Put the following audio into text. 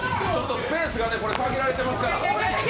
スペースが限られていますから。